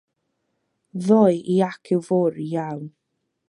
Ddo i acw fory, iawn.